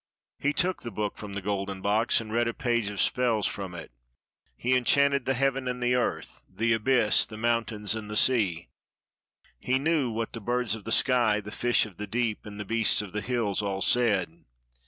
He took the book from the golden box, and read a page of spells from it. He enchanted the heaven and the earth, the abyss, the mountains, and the sea; he SI EGYPT knew what the birds of the sky, the fish of the deep, and the beasts of the hills all said.